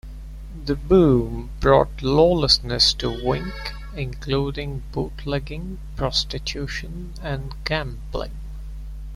The boom brought lawlessness to Wink, including bootlegging, prostitution, and gambling.